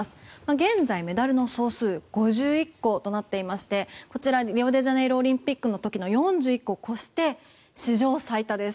現在、メダルの総数５１個となっていてこちら、リオデジャネイロオリンピックの時の４１個を超して史上最多です。